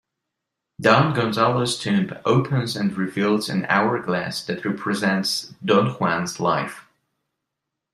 Don Gonzalo's tomb opens and reveals an hourglass that represents Don Juan's life.